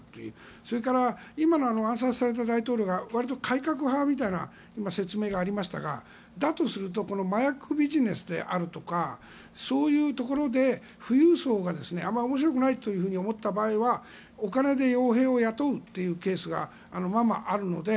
それから、暗殺された大統領が割と改革派みたいな説明がありましたがだとすると麻薬ビジネスであるとかそういうところで、富裕層があまり面白くないと思った場合はお金で傭兵を雇うというケースがままあるので。